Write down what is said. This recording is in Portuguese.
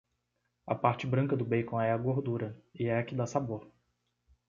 A parte branca do bacon é a gordura, e é a que dá sabor.